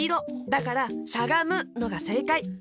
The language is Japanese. だからしゃがむのがせいかい！